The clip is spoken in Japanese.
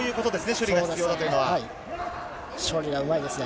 処理がうまいですね。